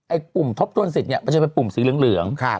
กลุ่มทบทวนสิทธิเนี่ยมันจะเป็นปุ่มสีเหลือง